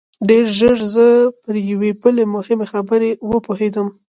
ډېر ژر زه پر یوې بلې مهمې خبرې وپوهېدم